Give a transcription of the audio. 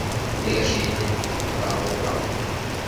mbega shenge uraho urakoma